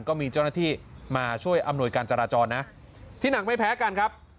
ก็มีเจ้าหน้าที่มาช่วยอำนวยการจราจรนะที่หนักไม่แพ้กันครับ